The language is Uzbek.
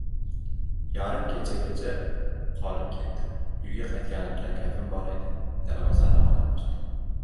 Yarim kechagacha qolib ketdim. Uyga qaytganimda kayfim bor edi. Darvozani onam ochdi.